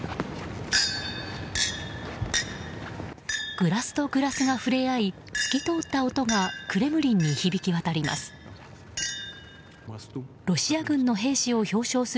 グラスとグラスが触れ合い透き通った音がクレムリンに響き渡ります。